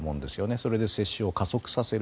それで接種を加速させる。